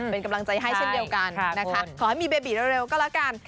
เป็นกำลังใจให้เช่นเดียวกันนะคะขอให้มีเบบีเร็วก็แล้วกัน